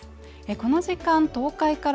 この時間東海から